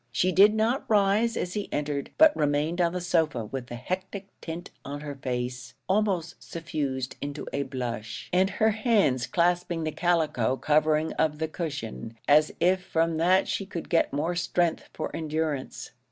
She did not rise as he entered, but remained on the sofa with the hectic tint on her face almost suffused into a blush, and her hands clasping the calico covering of the cushion, as if from that she could get more strength for endurance.